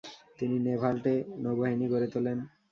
তিনি লেভান্টে নৌবাহিনী গড়ে তোলেন।